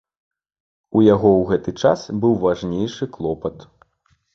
У яго ў гэты час быў важнейшы клопат.